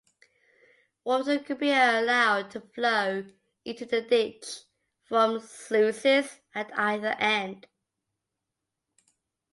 Water could be allowed to flow into the ditch from sluices at either end.